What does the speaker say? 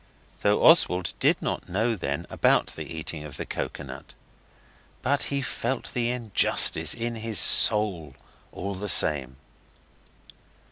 Though Oswald did not know then about the eating of the coconut, but he felt the injustice in his soul all the same.